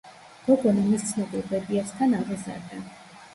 გოგონა მის ცნობილ ბებიასთან აღიზარდა.